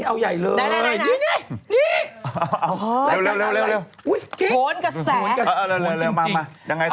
โอนกับแสงโอนกันเหรอมายังไงต่อ